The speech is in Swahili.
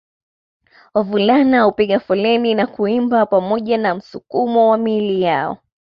Wavulana hupiga foleni na kuimba pamoja na msukumo wa miili yao